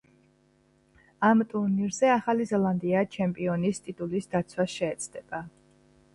ამ ტურნირზე ახალი ზელანდია ჩემპიონის ტიტულის დაცვას შეეცდება.